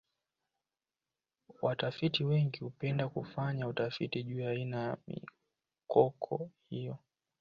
watafiti wengi hupenda kufanya utafiti juu ya aina ya mikoko hiyo